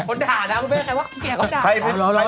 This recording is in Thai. คนถ่านะว่าเมียเขาถ่า